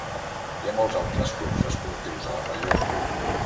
Hi ha molts altres clubs esportius a la regió.